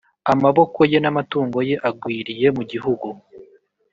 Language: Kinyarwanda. amaboko ye, n’amatungo ye agwiriye mu gihugu